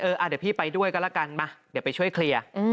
เดี๋ยวพี่ไปด้วยกันแล้วกันมาเดี๋ยวไปช่วยเคลียร์